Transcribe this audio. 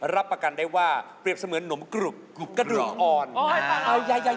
รับประกันได้ว่าเปรียบเสมือนหนมกรุบกรุบกระดูกอ่อน